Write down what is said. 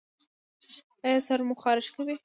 ایا سر مو خارښ کوي؟